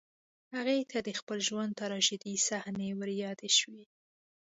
هغې ته د خپل ژوند تراژيدي صحنې وريادې شوې